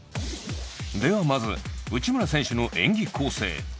ではまず、内村選手の演技構成。